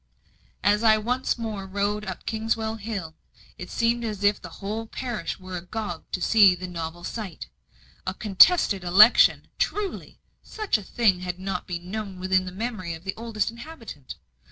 As I once more rode up Kingswell Hill, it seemed as if the whole parish were agog to see the novel sight. A contested election! truly, such a thing had not been known within the memory of the oldest inhabitant.